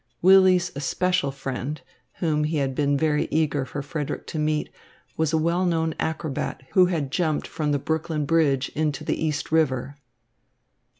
Willy's especial friend, whom he had been very eager for Frederick to meet, was a well known acrobat who had jumped from the Brooklyn Bridge into the East River.